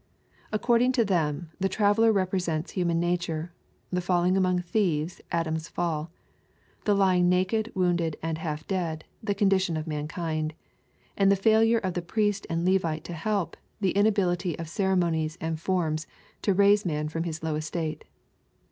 According to them, the /trayeller represents human nature, the falling among thieves Adam's &11, — the lying naked, wounded, and half dead, the condition of mankind, — and the failure of the Priest and Levite to help, the inability of ceremonies and forms to raise man from his low estate.